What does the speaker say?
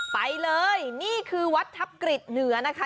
ไปเลยนี่คือวัดทัพกฤษเหนือนะคะ